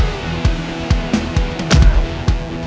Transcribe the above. sampai kapanpun gue akan pernah jauhin putri